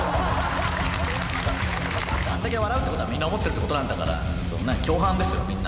あれだけ笑うってことは、みんな思ってるってことなんだから共犯ですよ、みんな。